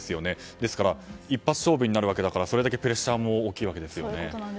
ですから一発勝負になるわけだからそれだけプレッシャーも大きいわけですよね。